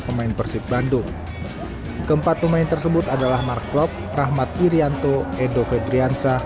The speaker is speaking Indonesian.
pemain persib bandung keempat pemain tersebut adalah mark klop rahmat irianto edo febriansa